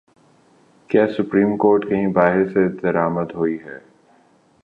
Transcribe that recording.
کیا supreme court کہیں باہر سے درآمد ہوئی ہے؟